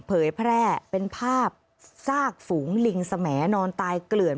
เผยแพร่เป็นภาพซากฝูงลิงสมนอนตายเกลื่อน